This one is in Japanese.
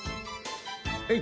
はい！